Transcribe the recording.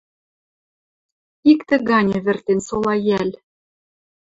Иктӹ гань ӹвӹртен солайӓл.